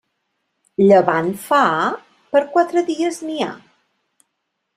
Llevant fa?, per a quatre dies n'hi ha.